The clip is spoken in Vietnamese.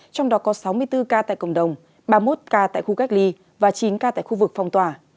trong đó có sáu mươi bốn ca tại cộng đồng ba mươi một ca tại khu cách ly và chín ca tại khu vực phong tỏa